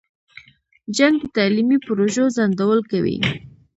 جنګ د تعلیمي پروژو ځنډول کوي.